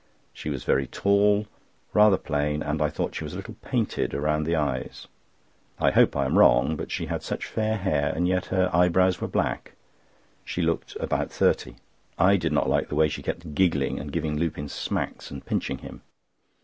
She was very tall, rather plain, and I thought she was a little painted round the eyes. I hope I am wrong; but she had such fair hair, and yet her eyebrows were black. She looked about thirty. I did not like the way she kept giggling and giving Lupin smacks and pinching him.